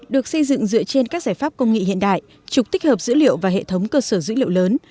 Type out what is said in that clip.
được xây dựng dựa trên các giải pháp công nghệ hiện đại trục tích hợp dữ liệu và hệ thống cơ sở dữ liệu lớn